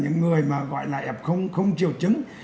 những người mà gọi là f không chịu chứng